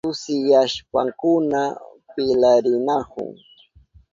Allkukuna sisuyashpankuna pilarinahun.